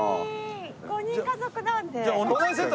５人家族なので。